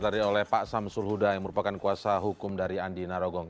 tadi oleh pak samsul huda yang merupakan kuasa hukum dari andi narogong